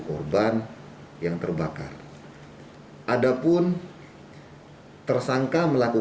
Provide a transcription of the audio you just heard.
kepolisian sektor tamu